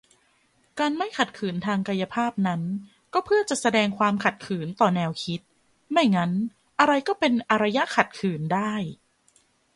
การไม่ขัดขืนทางกายภาพนั้น ก็เพื่อจะแสดงความขัดขืนต่อแนวคิด - ไม่งั้นอะไรก็เป็น "อารยะขัดขืน" ได้